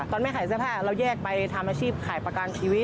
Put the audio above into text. ไม่ขายเสื้อผ้าเราแยกไปทำอาชีพขายประกันชีวิต